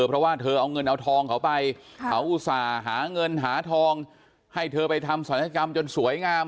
เพราะว่าเธอเอาเงินเอาทองเขาไปเขาอุตส่าห์หาเงินหาทองให้เธอไปทำศัลยกรรมจนสวยงาม